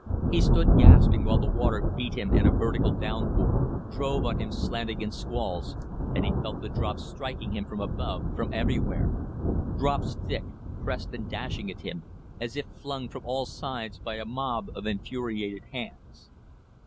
He stood gasping while the water beat him in a vertical downpour, drove on him slanting in squalls, and he felt the drops striking him from above, from everywhere; drops thick, pressed and dashing at him as if flung from all sides by a mob of infuriated hands.